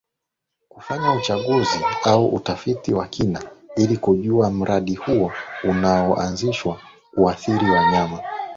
kufanya uchunguzi au utafiti wa kina ili kujua mradi huo unao anzishwa utaathiri wanyama